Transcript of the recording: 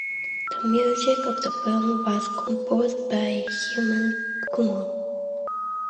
The music of the film was composed by Hemant Kumar.